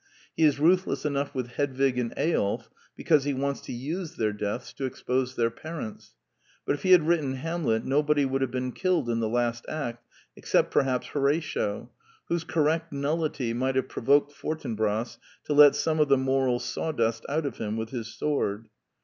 He is ruthless enough with Hedvig and Eyolf because he wants to use their deaths to expose their parents; but if he had written Hamlet no body would have been killed in the last act except perhaps Horatio, whose correct nullity might have provoked Fortinbras to let some of the moral sawdust out of him with his sword.